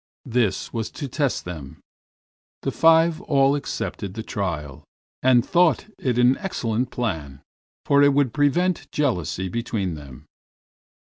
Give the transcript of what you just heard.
This was to test them. The five all accepted the trial, and thought it an excellent plan, for it would prevent jealousy between them.